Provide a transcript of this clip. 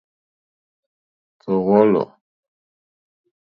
Tɔ̀ wɔ̌lɔ̀.